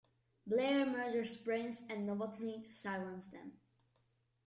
Blair murders Prince and Novotny to silence them.